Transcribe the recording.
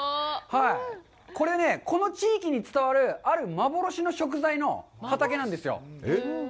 これね、この地域に伝わるある幻の食材の畑なんですよ。